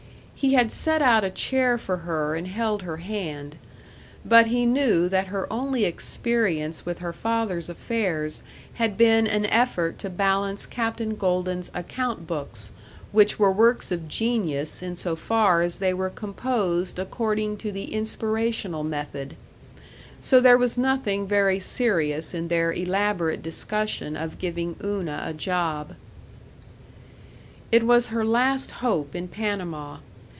He had set out a chair for her and held her hand. But he knew that her only experience with her father's affairs had been an effort to balance Captain Golden's account books, which were works of genius in so far as they were composed according to the inspirational method. So there was nothing very serious in their elaborate discussion of giving Una a job. It was her last hope in Panama.